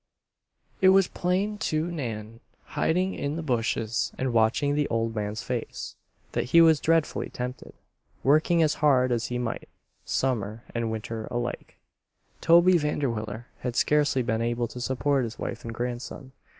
It was plain to Nan, hiding in the bushes and watching the old man's face, that he was dreadfully tempted. Working as hard as he might, summer and winter alike, Toby Vanderwiller had scarcely been able to support his wife and grandson.